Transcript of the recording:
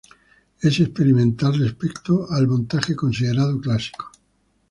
Es experimental respecto al montaje considerado clásico.